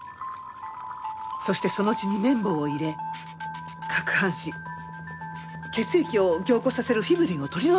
そしてその血に綿棒を入れ攪拌し血液を凝固させるフィブリンを取り除いた。